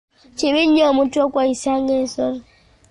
Kibi nnyo omuntu okweyisa nga ensolo!